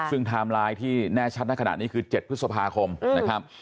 ซึ่งไทม์ไลน์ที่แน่ชัดในขณะนี้คือ๗พฤษภาคมนะครับ